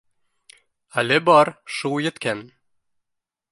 Әле бар, шул еткән